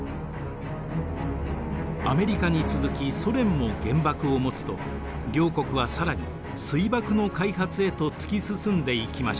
アメリカに続きソ連も原爆を持つと両国は更に水爆の開発へと突き進んでいきました。